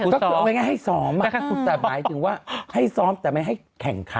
ก็คือเอาง่ายให้ซ้อมแต่หมายถึงว่าให้ซ้อมแต่ไม่ให้แข่งขัน